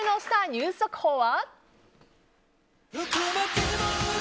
ニュース速報は。